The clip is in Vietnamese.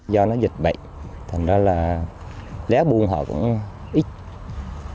do nó dịch bệnh thành ra là lé buông họ cũng ít